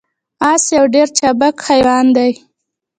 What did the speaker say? اس یو ډیر چابک حیوان دی